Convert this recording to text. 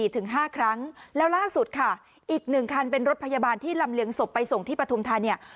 ถึง๕ครั้งแล้วล่าสุดค่ะอีก๑คันเป็นรถพยาบาลที่ลำเลียงศพไปส่งที่ปฐุมธาเนี่ย